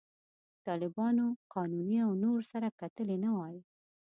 طالبانو، قانوني او نور سره کتلي نه وای.